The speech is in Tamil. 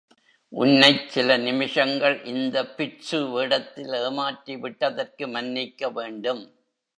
உன்னைச் சில நிமிஷங்கள் இந்த பிட்சு வேடத்தில் ஏமாற்றி விட்டதற்கு மன்னிக்க வேண்டும்.